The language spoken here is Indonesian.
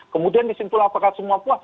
kemudian disimpul apakah semua puas